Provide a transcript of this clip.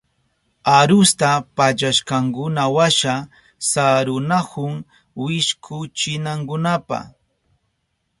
Arusta pallashkankunawasha sarunahun wishkuchinankunapa.